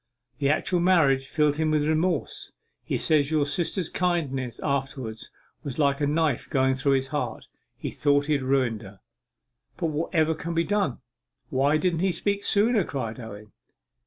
The actual marriage filled him with remorse. He says your sister's kindness afterwards was like a knife going through his heart. He thought he had ruined her.' 'But whatever can be done? Why didn't he speak sooner?' cried Owen.